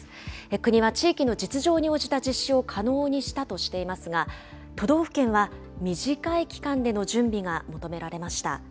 国は地域の実情に応じた実施を可能にしたとしていますが、都道府県は短い期間での準備が求められました。